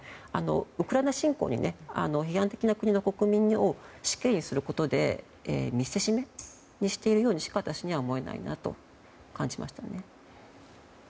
ウクライナ侵攻に批判的な国の国民を死刑にすることで見せしめにしているようにしか私には思えないなと感じましたね。